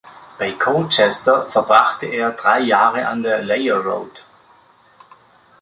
Bei Colchester verbrachte er drei Jahre an der Layer Road.